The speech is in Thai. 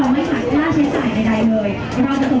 ก็ไม่มีคนกลับมาหรือเปล่า